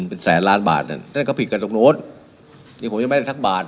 เป็นแสนล้านบาทนั่นด้านนั้นเขาผิดกับตรงนี้ผมยังไม่ได้ทั้งบาท